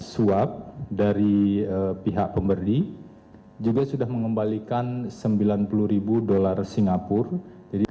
suap dari pihak pemberi juga sudah mengembalikan sembilan puluh ribu dolar singapura jadi